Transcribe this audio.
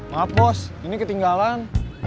maaf bos ini ketinggalan